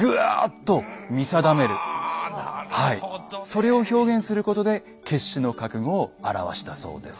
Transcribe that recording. それを表現することで決死の覚悟を表したそうです。